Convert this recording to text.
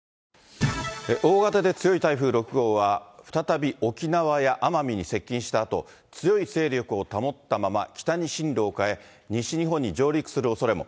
大型で強い台風６号は、再び沖縄や奄美に接近したあと、強い勢力を保ったまま北に進路を変え、西日本に上陸するおそれも。